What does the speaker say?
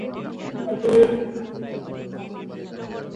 একেবারে তৃণমূল পর্যায়ের গ্রামের ছবি।